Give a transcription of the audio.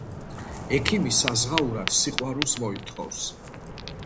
ექიმი საზღაურად სიყვარულს მოითხოვს.